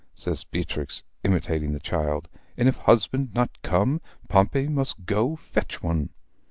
says Beatrix, imitating the child. "And if husband not come, Pompey must go fetch one."